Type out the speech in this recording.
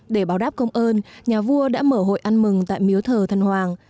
để báo đáp công ơn nhà vua đã mở hội ăn mừng tại miếu thờ thần hoàng